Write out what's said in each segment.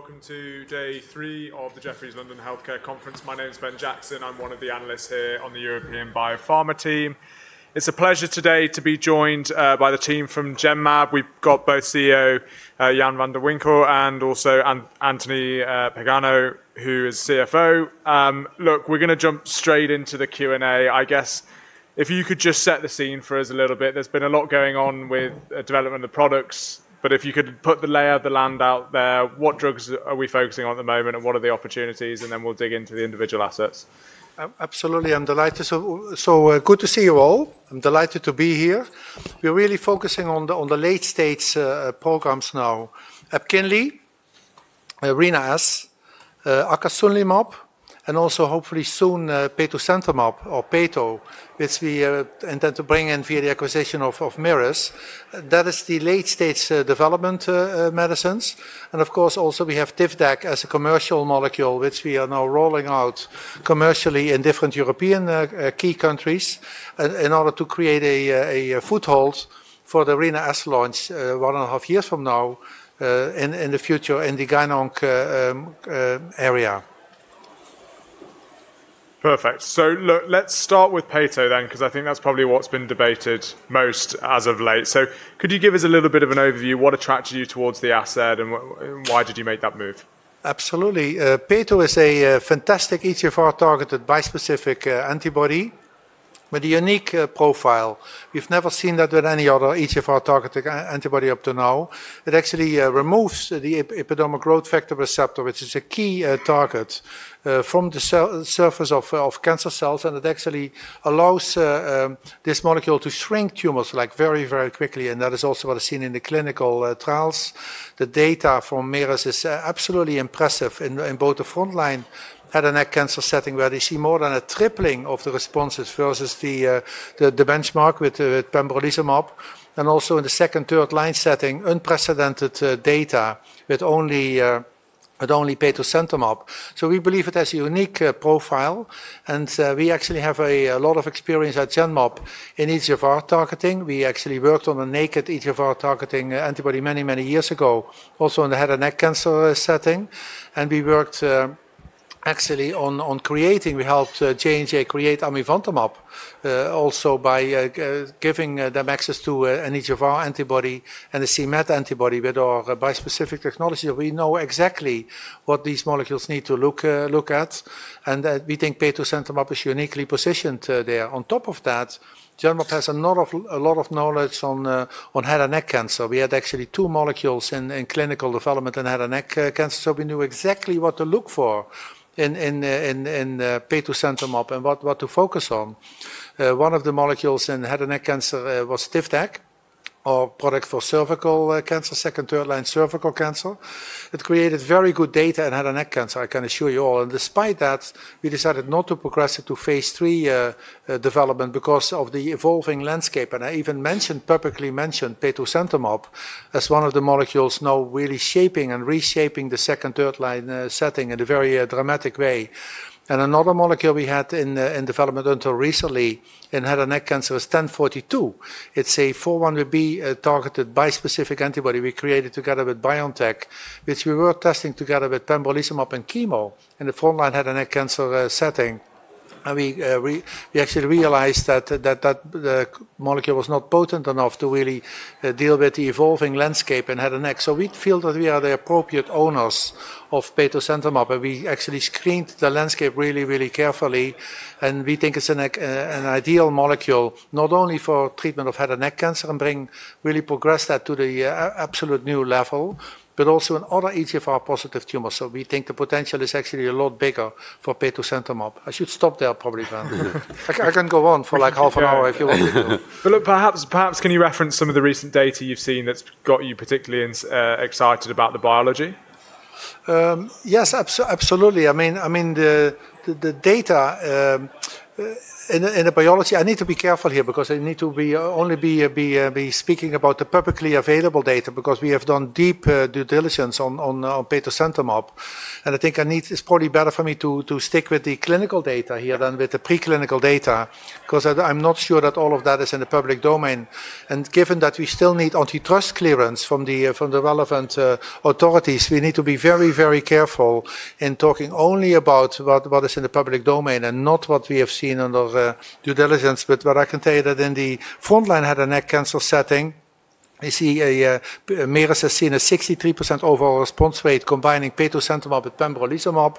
Welcome to day three of the Jefferies London Healthcare conference. My name is Ben Jackson. I'm one of the analysts here on the European Biopharma team. It's a pleasure today to be joined by the team from Genmab. We've got both CEO Jan van de Winkel and also Anthony Pagano, who is CFO. Look, we're going to jump straight into the Q&A. I guess if you could just set the scene for us a little bit. There's been a lot going on with the development of the products, but if you could put the lay of the land out there, what drugs are we focusing on at the moment and what are the opportunities? And then we'll dig into the individual assets. Absolutely. I'm delighted. So good to see you all. I'm delighted to be here. We're really focusing on the late-stage programs now: Epkinly, Rina-S, Acasunlimab, and also hopefully soon petosemtamab or Peto, which we intend to bring in via the acquisition of Merus. That is the late-stage development medicines. Of course, also we have Darzalex as a commercial molecule, which we are now rolling out commercially in different European key countries in order to create a foothold for the Rina-S, 1.5 years from now in the future in the Genmab area. Perfect. Look, let's start with Peto then, because I think that's probably what's been debated most as of late. Could you give us a little bit of an overview? What attracted you towards the asset and why did you make that move? Absolutely. Peto is a fantastic EGFR-targeted bispecific antibody with a unique profile. We've never seen that with any other EGFR-targeted antibody up to now. It actually removes the epidermal growth factor receptor, which is a key target from the surface of cancer cells. It actually allows this molecule to shrink tumors very, very quickly. That is also what is seen in the clinical trials. The data from Merus is absolutely impressive in both the frontline head and neck cancer setting, where they see more than a tripling of the responses versus the benchmark with pembrolizumab. Also in the second, third line setting, unprecedented data with only petosemtamab. We believe it has a unique profile. We actually have a lot of experience at Genmab in EGFR targeting. We actually worked on a naked EGFR-targeting antibody many, many years ago, also in the head and neck cancer setting. We worked actually on creating, we helped J&J create Amivantamab also by giving them access to an EGFR antibody and a CMET antibody with our bispecific technology. We know exactly what these molecules need to look at. We think Petosemtamab is uniquely positioned there. On top of that, Genmab has a lot of knowledge on head and neck cancer. We had actually two molecules in clinical development in head and neck cancer. We knew exactly what to look for in Petosemtamab and what to focus on. One of the molecules in head and neck cancer was Tivdak, our product for cervical cancer, second, third line cervical cancer. It created very good data in head and neck cancer, I can assure you all. Despite that, we decided not to progress it to phase III development because of the evolving landscape. I even mentioned, perfectly mentioned Petosemtamab as one of the molecules now really shaping and reshaping the second, third line setting in a very dramatic way. Another molecule we had in development until recently in head and neck cancer was 1042. It's a 41B targeted bispecific antibody we created together with BioNTech, which we were testing together with Pembrolizumab and chemo in the frontline head and neck cancer setting. We actually realized that that molecule was not potent enough to really deal with the evolving landscape in head and neck. We feel that we are the appropriate owners of Petosemtamab. We actually screened the landscape really, really carefully. We think it's an ideal molecule, not only for treatment of head and neck cancer and bring really progress that to the absolute new level, but also in other EGFR-positive tumors. We think the potential is actually a lot bigger for Petosemtamab. I should stop there probably, but I can go on for like half an hour if you want me to. Perhaps can you reference some of the recent data you've seen that's got you particularly excited about the biology? Yes, absolutely. I mean, the data and the biology, I need to be careful here because I need to only be speaking about the perfectly available data because we have done deep due diligence on Petosemtamab. I think it's probably better for me to stick with the clinical data here than with the preclinical data because I'm not sure that all of that is in the public domain. Given that we still need antitrust clearance from the relevant authorities, we need to be very, very careful in talking only about what is in the public domain and not what we have seen under due diligence. What I can tell you is that in the frontline head and neck cancer setting, Merus has seen a 63% overall response rate combining Petosemtamab with Pembrolizumab.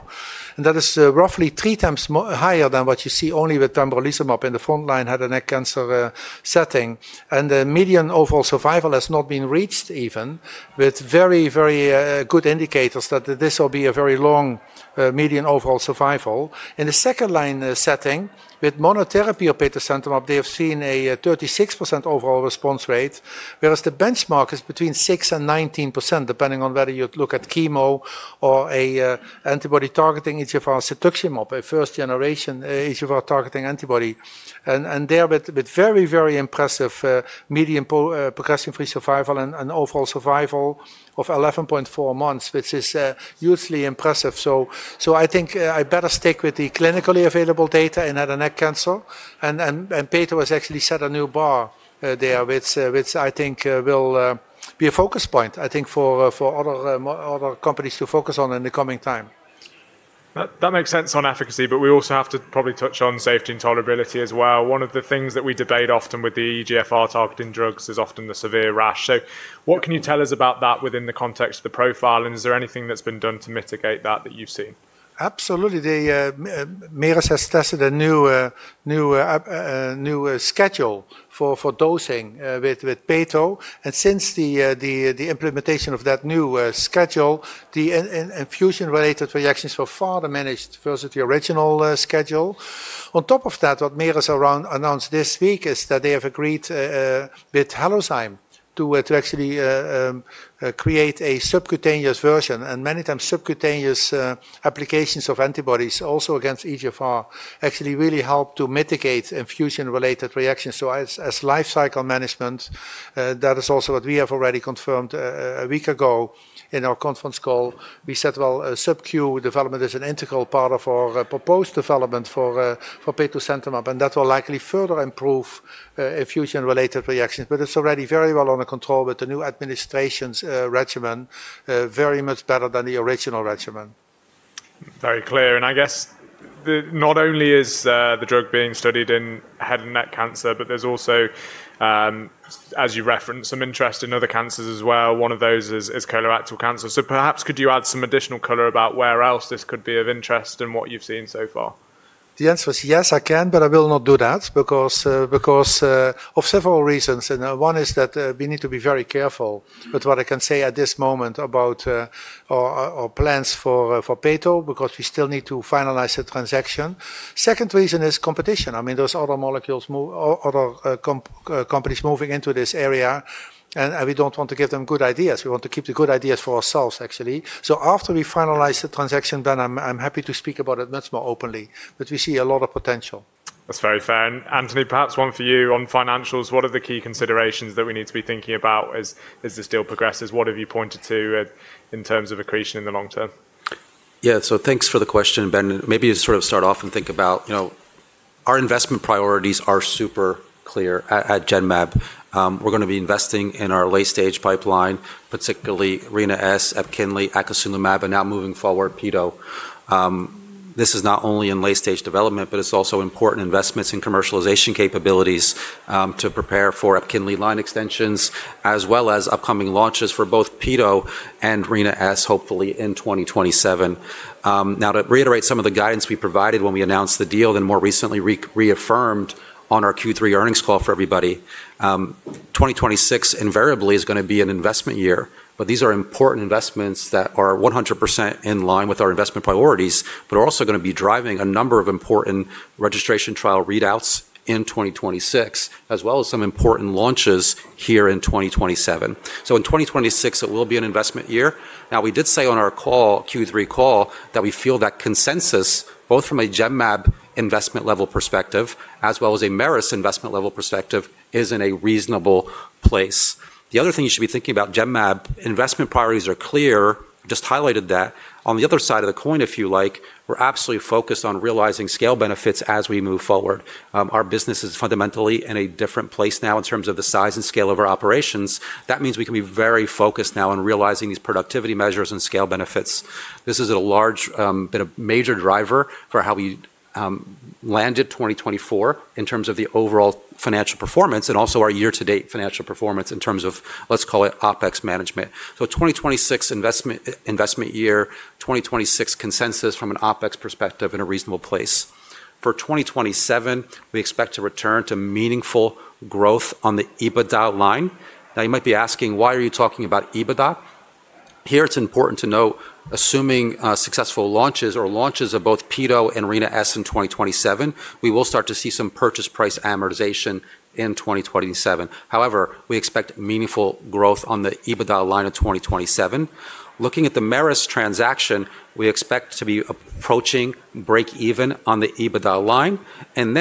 That is roughly 3x higher than what you see only with Pembrolizumab in the frontline head and neck cancer setting. The median overall survival has not been reached even with very, very good indicators that this will be a very long median overall survival. In the second line setting with monotherapy of Petosemtamab, they have seen a 36% overall response rate, whereas the benchmark is between 6% and 19% depending on whether you look at chemo or an antibody targeting EGFR, Cetuximab, a first-generation EGFR-targeting antibody. There, with very, very impressive median progression-free survival and overall survival of 11.4 months, which is hugely impressive. I think I better stick with the clinically available data in head and neck cancer. Peto has actually set a new bar there which I think will be a focus point, I think, for other companies to focus on in the coming time. That makes sense on efficacy, but we also have to probably touch on safety and tolerability as well. One of the things that we debate often with the EGFR-targeting drugs is often the severe rash. What can you tell us about that within the context of the profile? Is there anything that's been dne to mitigate that that you've seen? Absolutely. Merus has tested a new schedule for dosing with Peto. Since the implementation of that new schedule, the infusion-related reactions have farther managed versus the original schedule. On top of that, what Merus announced this week is that they have agreed with Halozyme to actually create a subcutaneous version. Many times subcutaneous applications of antibodies also against EGFR actually really help to mitigate infusion-related reactions. As life cycle management, that is also what we have already confirmed a week ago in our conference call. We said, you know, subQ development is an integral part of our proposed development for Petosemtamab. That will likely further improve infusion-related reactions. It is already very well under control with the new administration's regimen, very much better than the original regimen. Very clear. I guess not only is the drug being studied in head and neck cancer, but there's also, as you referenced, some interest in other cancers as well. One of those is colorectal cancer. Perhaps could you add some additional color about where else this could be of interest and what you've seen so far? The answer is yes, I can, but I will not do that because of several reasons. One is that we need to be very careful with what I can say at this moment about our plans for Peto because we still need to finalize the transaction. The second reason is competition. I mean, there are other companies moving into this area. We do not want to give them good ideas. We want to keep the good ideas for ourselves, actually. After we finalize the transaction, I am happy to speak about it much more openly. We see a lot of potential. That's very fair. Anthony, perhaps one for you on financials. What are the key considerations that we need to be thinking about as this deal progresses? What have you pointed to in terms of accretion in the long term? Yeah, so thanks for the question, Ben. Maybe you sort of start off and think about our investment priorities are super clear at Genmab. We're going to be investing in our late-stage pipeline, particularly Rina-S, Epkinly, Acasunlimab, and now moving forward Peto. This is not only in late-stage development, but it's also important investments in commercialization capabilities to prepare for Epkinly line extensions, as well as upcoming launches for both Peto and Rina-S, hopefully in 2027. Now, to reiterate some of the guidance we provided when we announced the deal, then more recently reaffirmed on our Q3 earnings call for everybody, 2026 invariably is going to be an investment year. These are important investments that are 100% in line with our investment priorities, but are also going to be driving a number of important registration trial readouts in 2026, as well as some important launches here in 2027. In 2026, it will be an investment year. Now, we did say on our Q3 call that we feel that consensus, both from a Genmab investment level perspective as well as a Merus investment level perspective, is in a reasonable place. The other thing you should be thinking about, Genmab investment priorities are clear. Just highlighted that. On the other side of the coin, if you like, we're absolutely focused on realizing scale benefits as we move forward. Our business is fundamentally in a different place now in terms of the size and scale of our operations. That means we can be very focused now on realizing these productivity measures and scale benefits. This has been a major driver for how we landed 2024 in terms of the overall financial performance and also our year-to-date financial performance in terms of, let's call it, OpEx management. 2026 investment year, 2026 consensus from an OpEx perspective in a reasonable place. For 2027, we expect to return to meaningful growth on the EBITDA line. Now, you might be asking, why are you talking about EBITDA? Here, it's important to note, assuming successful launches or launches of both Peto and Rina-S in 2027, we will start to see some purchase price amortization in 2027. However, we expect meaningful growth on the EBITDA line of 2027. Looking at the Merus transaction, we expect to be approaching break-even on the EBITDA line. In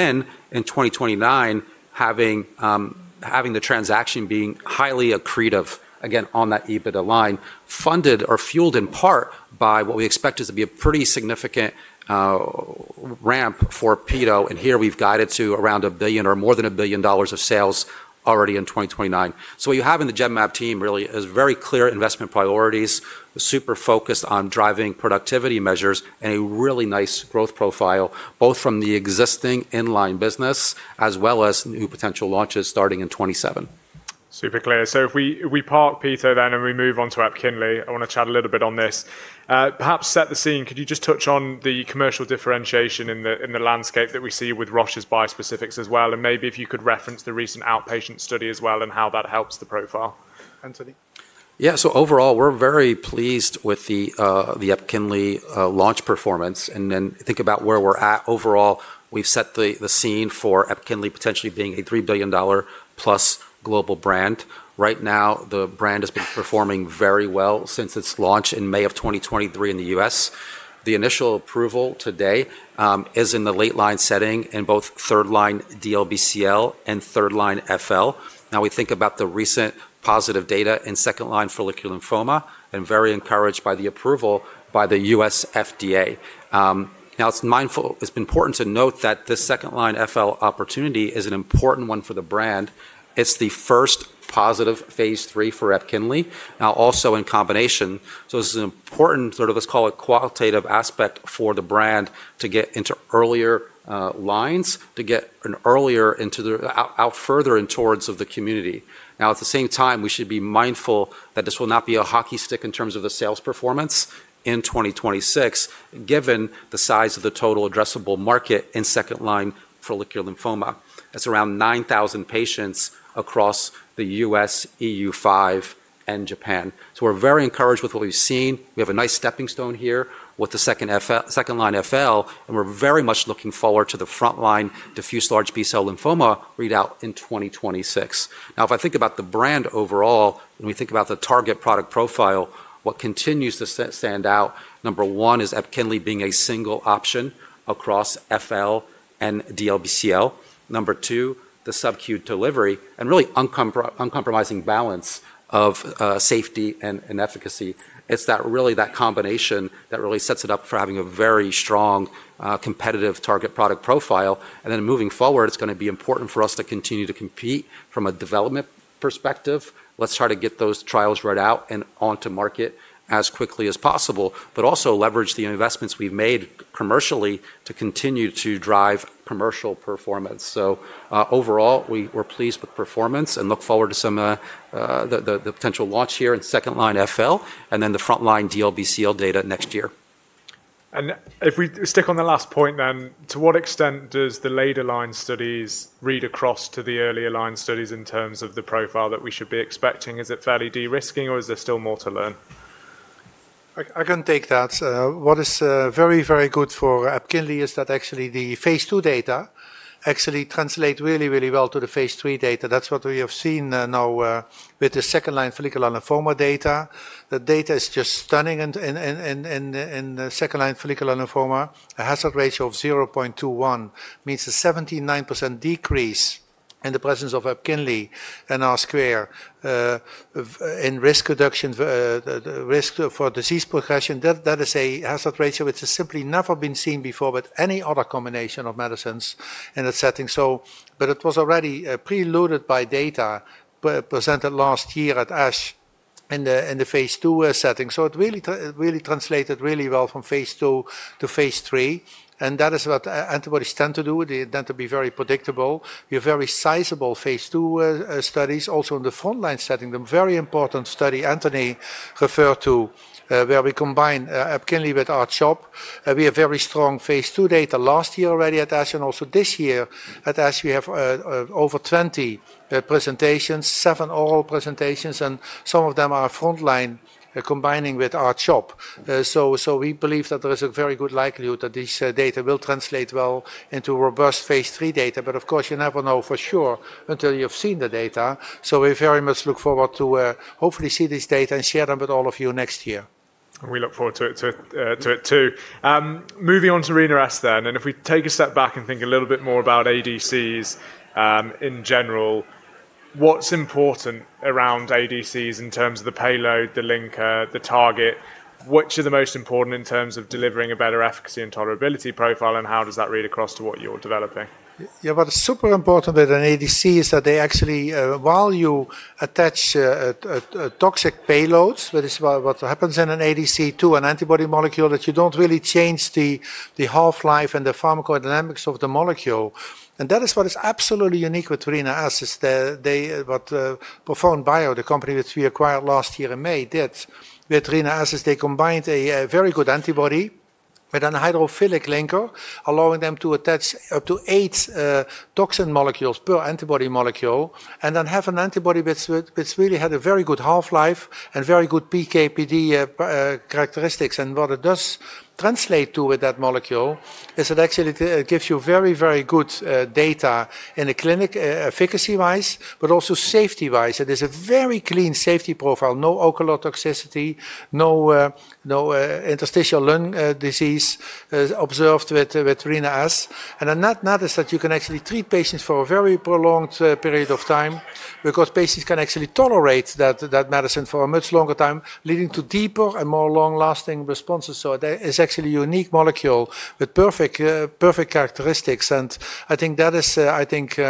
2029, having the transaction being highly accretive, again, on that EBITDA line, funded or fueled in part by what we expect is to be a pretty significant ramp for Peto. Here we've guided to around $1 billion or more than $1 billion of sales already in 2029. What you have in the Genmab team really is very clear investment priorities, super focused on driving productivity measures and a really nice growth profile, both from the existing inline business as well as new potential launches starting in 2027. Super clear. If we park Peto then and we move on to Epkinly, I want to chat a little bit on this. Perhaps set the scene, could you just touch on the commercial differentiation in the landscape that we see with Roche's bispecifics as well? Maybe if you could reference the recent outpatient study as well and how that helps the profile. Anthony? Yeah, so overall, we're very pleased with the Epkinly launch performance. If you think about where we're at overall, we've set the scene for Epkinly potentially being a $3 billion+ global brand. Right now, the brand has been performing very well since its launch in May of 2023 in the US. The initial approval today is in the late line setting in both third line DLBCL and third line FL. Now, we think about the recent positive data in second line follicular lymphoma and are very encouraged by the approval by the U.S. FDA. Now, it's important to note that this second line FL opportunity is an important one for the brand. It's the first positive phase III for Epkinly, now also in combination. This is an important sort of, let's call it, qualitative aspect for the brand to get into earlier lines, to get further in towards the community. At the same time, we should be mindful that this will not be a hockey stick in terms of the sales performance in 2026, given the size of the total addressable market in second line follicular lymphoma. It's around 9,000 patients across the U.S., E.U.-5, and Japan. We are very encouraged with what we've seen. We have a nice stepping stone here with the second line FL. We are very much looking forward to the front line diffuse large B-cell lymphoma readout in 2026. If I think about the brand overall, when we think about the target product profile, what continues to stand out, number one is Epkinly being a single option across FL and DLBCL. Number two, the subQ delivery and really uncompromising balance of safety and efficacy. It's really that combination that really sets it up for having a very strong competitive target product profile. Moving forward, it's going to be important for us to continue to compete from a development perspective. Let's try to get those trials read out and onto market as quickly as possible, but also leverage the investments we've made commercially to continue to drive commercial performance. Overall, we're pleased with performance and look forward to some of the potential launch here in second line FL and then the front line DLBCL data next year. If we stick on the last point then, to what extent does the later line studies read across to the earlier line studies in terms of the profile that we should be expecting? Is it fairly de-risking or is there still more to learn? I can take that. What is very, very good for Epkinly is that actually the phase II data actually translate really, really well to the phase III data. That's what we have seen now with the second line follicular lymphoma data. The data is just stunning in second line follicular lymphoma. A hazard ratio of 0.21 means a 79% decrease in the presence of Epkinly and R² in risk reduction, risk for disease progression. That is a hazard ratio which has simply never been seen before with any other combination of medicines in that setting. It was already preluded by data presented last year at ASH in the phase II setting. It really translated really well from phase II to phase III. That is what antibodies tend to do. They tend to be very predictable. We have very sizable phase II studies also in the frontline setting. The very important study Anthony referred to, where we combine Epkinly with R-CHOP, we have very strong phase II data last year already at ASH and also this year at ASH. We have over 20 presentations, seven oral presentations, and some of them are frontline combining with R-CHOP. We believe that there is a very good likelihood that these data will translate well into robust phase III data. Of course, you never know for sure until you've seen the data. We very much look forward to hopefully seeing this data and share them with all of you next year. We look forward to it too. Moving on to Rina-S then. If we take a step back and think a little bit more about ADCs in general, what's important around ADCs in terms of the payload, the linker, the target? Which are the most important in terms of delivering a better efficacy and tolerability profile? How does that read across to what you're developing? Yeah, what is super important with an ADC is that they actually, while you attach toxic payloads, that is what happens in an ADC to an antibody molecule, that you do not really change the half-life and the pharmacodynamics of the molecule. That is what is absolutely unique with Rina-S. What ProfoundBio, the company which we acquired last year in May, did with Rina-S is they combined a very good antibody with a hydrophilic linker, allowing them to attach up to eight toxin molecules per antibody molecule and then have an antibody which really had a very good half-life and very good PK/PD characteristics. What it does translate to with that molecule is it actually gives you very, very good data in the clinic efficacy-wise, but also safety-wise. It is a very clean safety profile, no ocular toxicity, no interstitial lung disease observed with Rina-S. That is that you can actually treat patients for a very prolonged period of time because patients can actually tolerate that medicine for a much longer time, leading to deeper and more long-lasting responses. It is actually a unique molecule with perfect characteristics. I think that is, I think,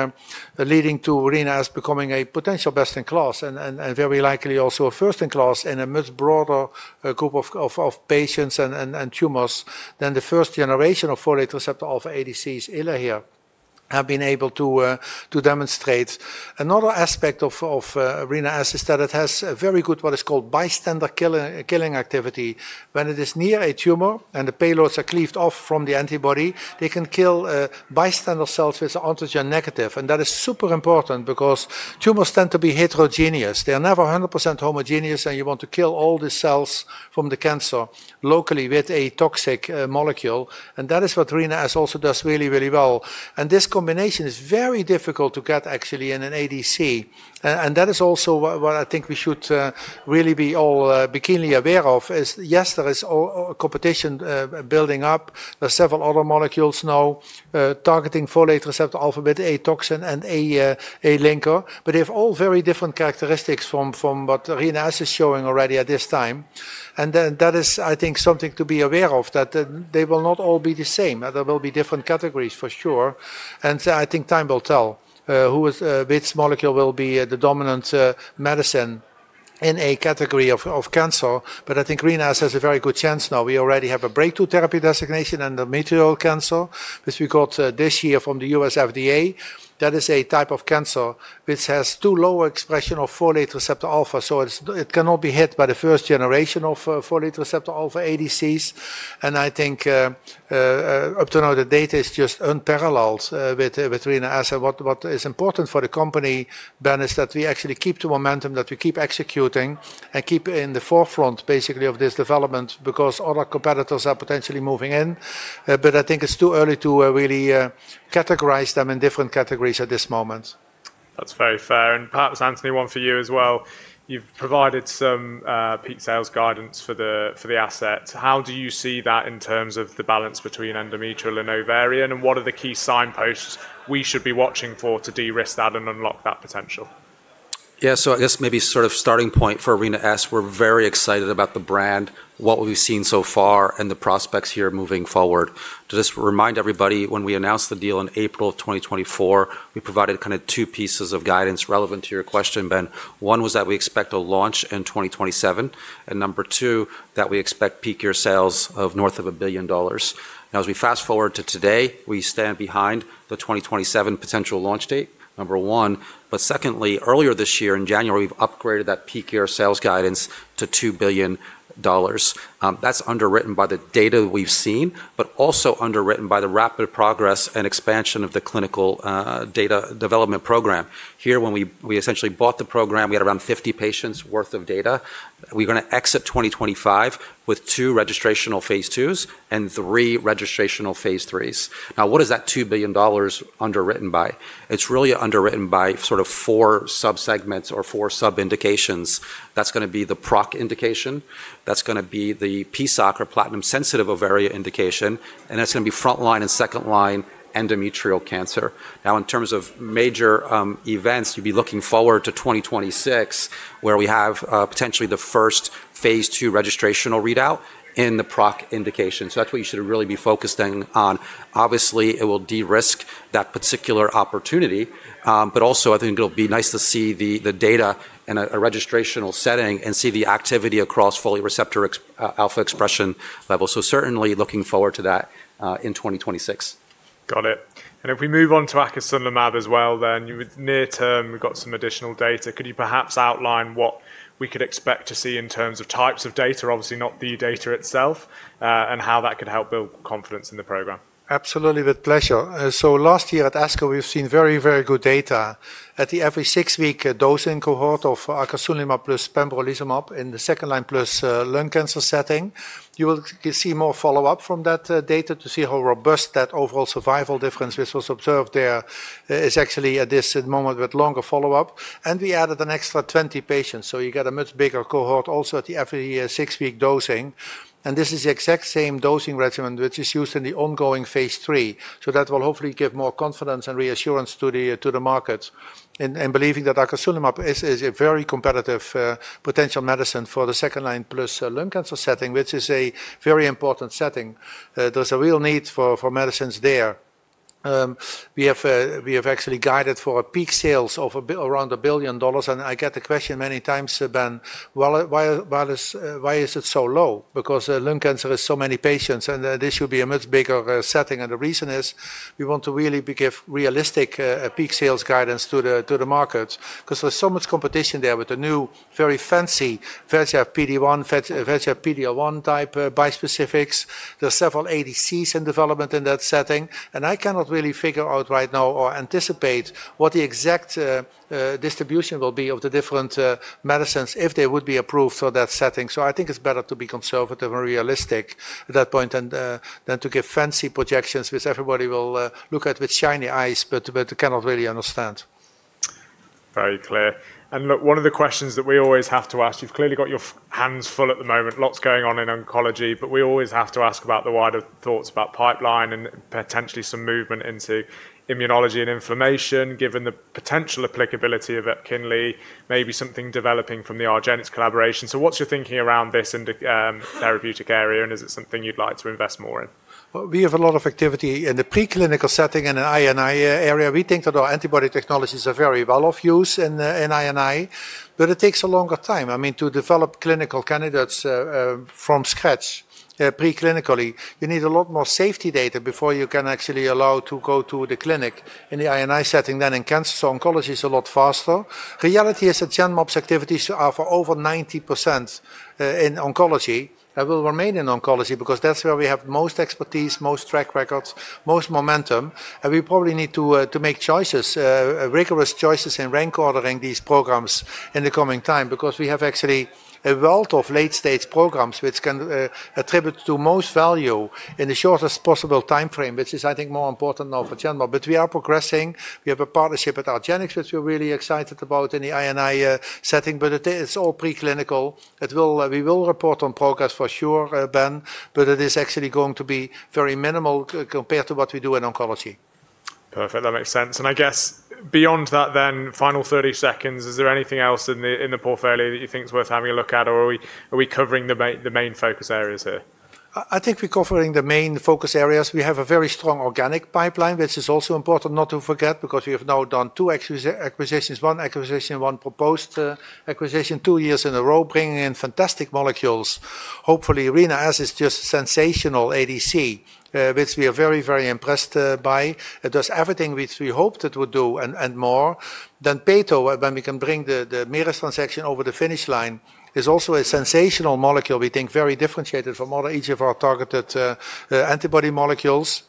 leading to Rina-S becoming a potential best in class and very likely also a first in class in a much broader group of patients and tumors than the first generation of folate receptor alpha ADCs earlier here have been able to demonstrate. Another aspect of Rina-S is that it has very good what is called bystander killing activity. When it is near a tumor and the payloads are cleaved off from the antibody, they can kill bystander cells with an antigen negative. That is super important because tumors tend to be heterogeneous. They are never 100% homogeneous. You want to kill all the cells from the cancer locally with a toxic molecule. That is what Rina-S also does really, really well. This combination is very difficult to get actually in an ADC. I think we should really be all keenly aware of, yes, there is competition building up. There are several other molecules now targeting folate receptor alpha with a toxin and a linker. They have all very different characteristics from what Rina-S is showing already at this time. That is, I think, something to be aware of, that they will not all be the same. There will be different categories for sure. I think time will tell which molecule will be the dominant medicine in a category of cancer. I think Rina-S has a very good chance now. We already have a Breakthrough Therapy Designation in the meteoral cancer, which we got this year from the U.S. FDA. That is a type of cancer which has too low expression of folate receptor alpha. It cannot be hit by the first generation of folate receptor alpha ADCs. I think up to now, the data is just unparalleled with Rina-S. What is important for the company, Ben, is that we actually keep the momentum, that we keep executing and keep in the forefront basically of this development because other competitors are potentially moving in. I think it's too early to really categorize them in different categories at this moment. That's very fair. Perhaps, Anthony, one for you as well. You've provided some peak sales guidance for the asset. How do you see that in terms of the balance between endometrial and ovarian? What are the key signposts we should be watching for to de-risk that and unlock that potential? Yeah, so I guess maybe sort of starting point for Rina-S is we're very excited about the brand, what we've seen so far, and the prospects here moving forward. To just remind everybody, when we announced the deal in April of 2024, we provided kind of two pieces of guidance relevant to your question, Ben. One was that we expect a launch in 2027. And number two, that we expect peak year sales of north of $1 billion. Now, as we fast forward to today, we stand behind the 2027 potential launch date, number one. Secondly, earlier this year in January, we've upgraded that peak year sales guidance to $2 billion. That's underwritten by the data we've seen, but also underwritten by the rapid progress and expansion of the clinical data development program. Here, when we essentially bought the program, we had around 50 patients' worth of data. We're going to exit 2025 with two registrational phase IIs and three registrational phase IIIs. Now, what is that $2 billion underwritten by? It's really underwritten by sort of four subsegments or four sub-indications. That's going to be the PROC indication. That's going to be the PSOC or platinum sensitive ovarian indication. That's going to be front line and second line endometrial cancer. Now, in terms of major events, you'd be looking forward to 2026, where we have potentially the first phase II registrational readout in the PROC indication. That's what you should really be focused on. Obviously, it will de-risk that particular opportunity. I think it'll be nice to see the data in a registrational setting and see the activity across folate receptor alpha expression level. Certainly looking forward to that in 2026. Got it. If we move on to Acasunlimab as well, near term, we've got some additional data. Could you perhaps outline what we could expect to see in terms of types of data, obviously not the data itself, and how that could help build confidence in the program? Absolutely, with pleasure. Last year at ASCO, we've seen very, very good data at the every six-week dosing cohort of Acasunlimab plus Pembrolizumab in the second line plus lung cancer setting. You will see more follow-up from that data to see how robust that overall survival difference, which was observed there, is actually at this moment with longer follow-up. We added an extra 20 patients. You get a much bigger cohort also at the every six-week dosing. This is the exact same dosing regimen which is used in the ongoing phase III. That will hopefully give more confidence and reassurance to the markets in believing that Acasunlimab is a very competitive potential medicine for the second line plus lung cancer setting, which is a very important setting. There's a real need for medicines there. We have actually guided for a peak sales of around $1 billion. I get the question many times, Ben, why is it so low? Because lung cancer is so many patients. This should be a much bigger setting. The reason is we want to really give realistic peak sales guidance to the markets because there is so much competition there with the new very fancy VEGF/PD-1, VEGF/PD-L1 type bispecifics. There are several ADCs in development in that setting. I cannot really figure out right now or anticipate what the exact distribution will be of the different medicines if they would be approved for that setting. I think it is better to be conservative and realistic at that point than to give fancy projections which everybody will look at with shiny eyes, but cannot really understand. Very clear. One of the questions that we always have to ask, you've clearly got your hands full at the moment, lots going on in oncology, but we always have to ask about the wider thoughts about pipeline and potentially some movement into immunology and inflammation given the potential applicability of Epkinly, maybe something developing from the Argenx collaboration. What is your thinking around this in the therapeutic area? Is it something you'd like to invest more in? We have a lot of activity in the preclinical setting and in INI area. We think that our antibody technologies are very well of use in INI, but it takes a longer time. I mean, to develop clinical candidates from scratch preclinically, you need a lot more safety data before you can actually allow to go to the clinic in the INI setting than in cancer. Oncology is a lot faster. Reality is that Genmab's activities are for over 90% in oncology and will remain in oncology because that's where we have most expertise, most track records, most momentum. We probably need to make rigorous choices in rank ordering these programs in the coming time because we have actually a wealth of late-stage programs which can attribute to most value in the shortest possible timeframe, which is, I think, more important now for Genmab. We are progressing. We have a partnership with Regeneron, which we're really excited about in the INI setting. It is all preclinical. We will report on progress for sure, Ben, but it is actually going to be very minimal compared to what we do in oncology. Perfect. That makes sense. I guess beyond that, then, final 30 seconds, is there anything else in the portfolio that you think is worth having a look at, or are we covering the main focus areas here? I think we're covering the main focus areas. We have a very strong organic pipeline, which is also important not to forget because we have now done two acquisitions, one acquisition, one proposed acquisition, two years in a row, bringing in fantastic molecules. Hopefully, Rina-S is just a sensational ADC, which we are very, very impressed by. It does everything which we hoped it would do and more. Then Peto, when we can bring the Merus transaction over the finish line, is also a sensational molecule. We think very differentiated from all each of our targeted antibody molecules.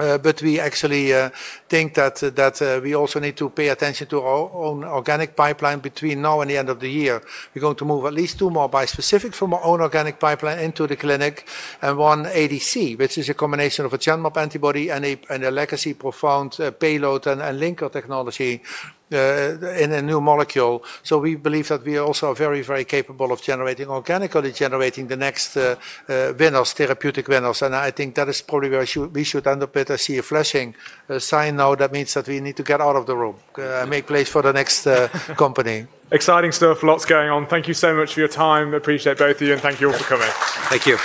We actually think that we also need to pay attention to our own organic pipeline between now and the end of the year. We're going to move at least two more bispecifics from our own organic pipeline into the clinic and one ADC, which is a combination of a Genmab antibody and a legacy ProfoundBio payload and linker technology in a new molecule. We believe that we are also very, very capable of generating organically generating the next winners, therapeutic winners. I think that is probably where we should end up with. I see a flashing sign now that means that we need to get out of the room and make place for the next company. Exciting stuff, lots going on. Thank you so much for your time. Appreciate both of you. Thank you all for coming. Thank you.